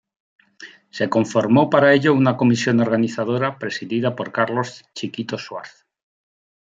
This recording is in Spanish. Se conformó para ello una Comisión Organizadora presidida por Carlos "Chiquito" Schwarz.